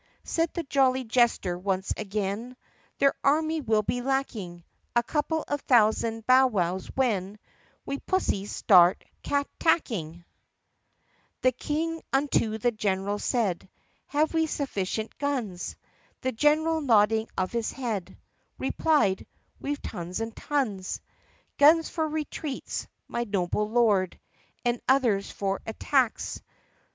Said the jolly jester once again, "Their army will be lacking A couple of thousand bowwows when We pussies start cattacking!" VIII The King unto the general said, "Have we sufficient guns?" The general, nodding of his head, Replied, "We 've tons and tons — Guns for retreats, my noble Lord, And others for attacks.